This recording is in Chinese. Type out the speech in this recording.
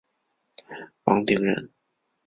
王鼎人。